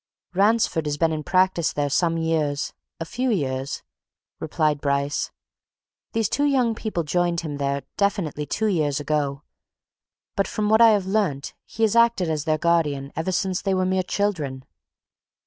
"Ransford has been in practice there some years a few years," replied Bryce. "These two young people joined him there definitely two years ago. But from what I have learnt, he has acted as their guardian ever since they were mere children."